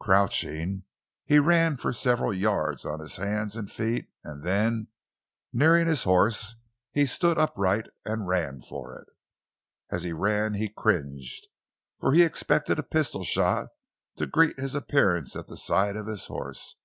Crouching, he ran for several yards on his hands and feet and then, nearing his horse, he stood upright and ran for it. As he ran he cringed, for he expected a pistol shot to greet his appearance at the side of his horse.